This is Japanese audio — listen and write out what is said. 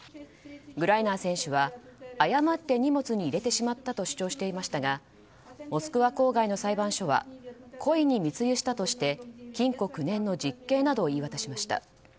グライナー選手は誤って荷物に入れてしまったと主張していましたがモスクワ郊外の裁判所は故意に密輸したとして禁錮９年の実刑などを言い渡しました。